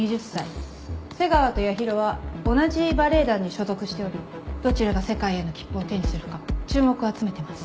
瀬川と八尋は同じバレエ団に所属しておりどちらが世界への切符を手にするか注目を集めてます。